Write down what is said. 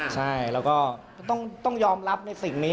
ใช่แล้วก็ต้องยอมรับในสิ่งนี้